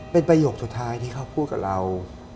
เป็นประโยคสุดท้ายที่เขาพูดกับเรา